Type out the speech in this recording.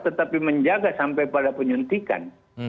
tetapi menjaga sampai pada penyuntikan